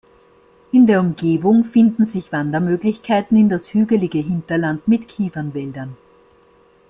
In der Umgebung finden sich Wandermöglichkeiten in das hügelige Hinterland mit Kiefernwäldern.